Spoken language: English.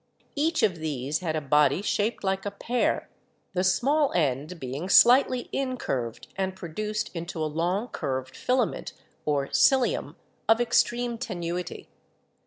Each of these had a body shaped like a pear, the small end being slightly in curved and produced into a long curved filament, or cilium, of extreme tenuity.